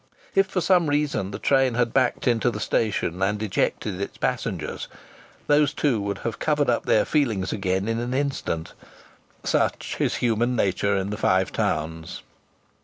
If for some reason the train had backed into the station and ejected its passengers, those two would have covered up their feelings again in an instant. Such is human nature in the Five Towns.